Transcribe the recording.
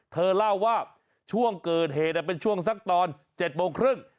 เธอเล่าว่าช่วงเกิดเหตุเป็นช่วงสักตอน๗โมงครึ่ง